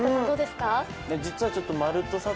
実は、ちょっと「まるっと！